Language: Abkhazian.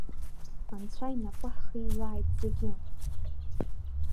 Анцәа инапы ҳхиҩааит зегьы!